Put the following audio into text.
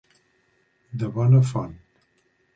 De bona font.